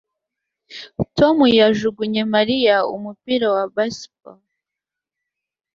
Tom yajugunye Mariya umupira wa baseball